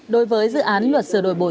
đối với dự án luật sửa đổi bổ sung